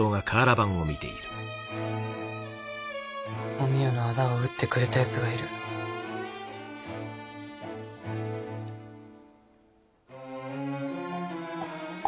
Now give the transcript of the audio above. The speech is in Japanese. お美代の仇を討ってくれたヤツがいるこ